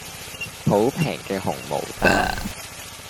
好平嘅紅毛丹